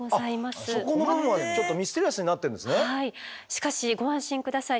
しかしご安心下さい。